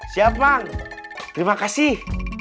siap bang terima kasih